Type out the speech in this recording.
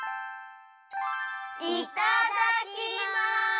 いただきます。